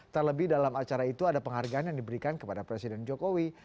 terlebih dalam acara itu ada penghargaan yang diberikan kepada presiden jokowi